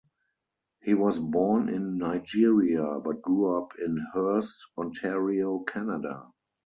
He was born in Nigeria but grew up in Hearst, Ontario Canada.